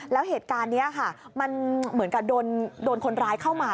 แล้วเหตุการณ์นี้ค่ะมันเหมือนกับโดนคนร้ายเข้ามา